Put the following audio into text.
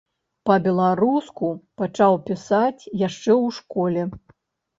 Па-беларуску пачаў пісаць яшчэ ў школе.